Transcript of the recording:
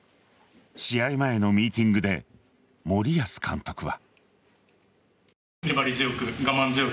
試合前のミーティングで森保監督は。